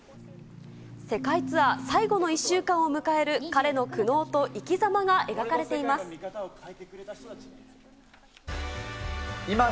世界ツアー最後の１週間を迎える彼の苦悩と生きざまが描かれています。